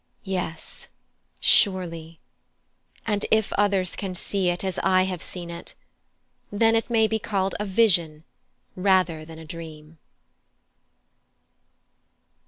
Yes, surely! and if others can see it as I have seen it, then it may be called a vision rather than a dream.